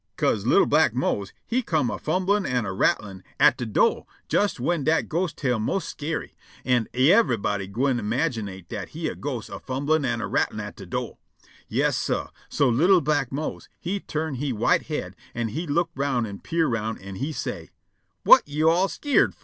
'Ca'se li'l' black Mose he come' a fumblin' an' a rattlin' at de do' jes whin dat ghost tale mos' skeery, an' yiver'body gwine imaginate dat he a ghost a fumblin' an' a rattlin' at de do'. Yas, sah. So li'l' black Mose he turn' he white head, an' he look' roun' an' peer' roun', an' he say': "Whut you all skeered fo'?"